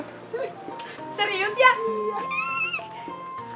gaya beling buat kamu sayap